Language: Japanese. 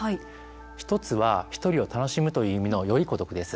１つは、ひとりを楽しむという意味の良い「個独」です。